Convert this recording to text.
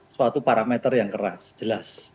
suatu parameter yang keras jelas